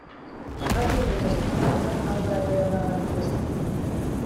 Els diumenges a la tarda, el prat era una gran festa.